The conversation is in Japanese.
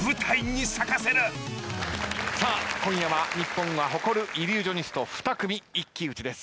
さあ今夜は日本が誇るイリュージョニスト２組一騎打ちです。